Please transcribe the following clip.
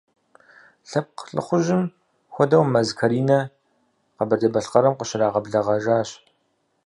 Лъэпкъ лӏыхъужьым хуэдэу Мэз Каринэ Къэбэрдей-Балъкъэрым къыщрагъэблэгъэжащ.